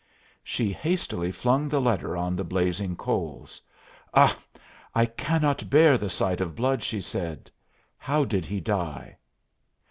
She hastily flung the letter on the blazing coals. "Uh! I cannot bear the sight of blood!" she said. "How did he die?"